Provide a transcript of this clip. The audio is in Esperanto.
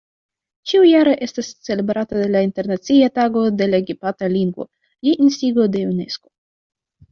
Ĉiujare estas celebrata la Internacia Tago de la Gepatra Lingvo je instigo de Unesko.